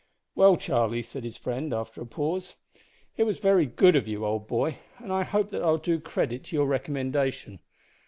"Well, Charlie," said his friend, after a pause, "it was very good of you, old boy, and I hope that I'll do credit to your recommendation.